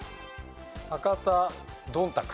博多どんたく。